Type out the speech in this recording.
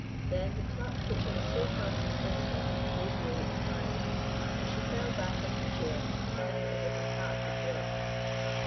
Then the pluck which had so far sustained her gave way entirely, and she fell back on her chair crying as if her heart would break.